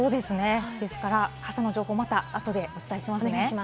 ですから傘の情報をまた後でお伝えしますね。